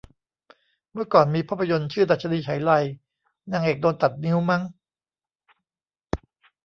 เมื่อก่อนมีภาพยนต์ชื่อดรรชนีไฉไล นางเอกโดนตัดนิ้วมั้ง